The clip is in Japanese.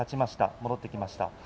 戻ってきました。